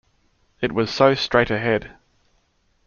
It was so straight-ahead.